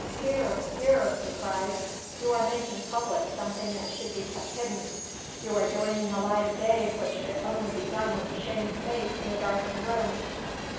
Here! Here!' he cries, 'you are making public something that should be kept hidden. You are doing in the light of day what should only be done with a shamed face in a darkened room.